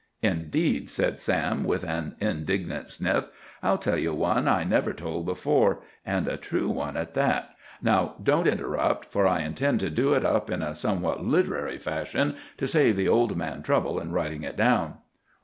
"Indeed," said Sam with an indignant sniff; "I'll tell you one I never told before, and a true one at that. Now don't interrupt, for I intend to do it up in a somewhat literary fashion, to save the Old Man trouble in writing it down."